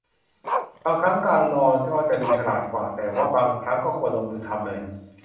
บางครั้งการรอก็จะดูฉลาดกว่า แต่ว่าบางครั้งก็ควรลงมือทำเลย